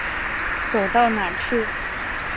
走到哪儿去。